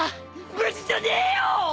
無事じゃねえよ！